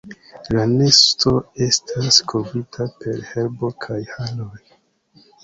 La nesto estas kovrita per herbo kaj haroj.